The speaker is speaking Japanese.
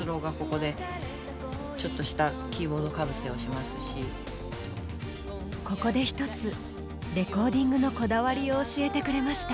まあほんとにここで１つレコーディングのこだわりを教えてくれました。